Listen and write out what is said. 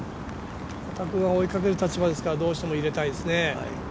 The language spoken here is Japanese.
岩田君は追いかける立場ですからどうしても入れたいですね。